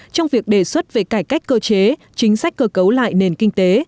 trong việc đề xuất về cải cách cơ chế chính sách cơ cấu lại nền kinh tế